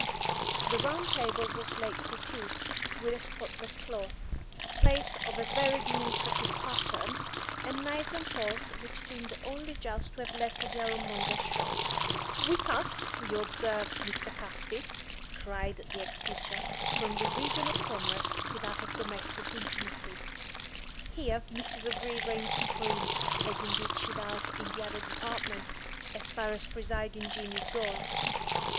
The round table was laid for tea, with a spotless cloth, plates of a very demonstrative pattern, and knives and forks which seemed only just to have left the ironmonger's shop. "We pass, you observe, Mr. Casti," cried the ex teacher, "from the region of commerce to that of domestic intimacy. Here Mrs. O'Gree reigns supreme, as indeed she does in the other department, as far as presiding genius goes.